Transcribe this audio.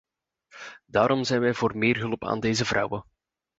Daarom zijn wij voor meer hulp aan deze vrouwen.